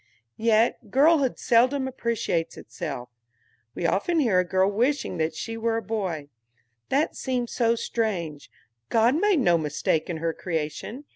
Yet girlhood seldom appreciates itself. We often hear a girl wishing that she were a boy. That seems so strange! God made no mistake in her creation.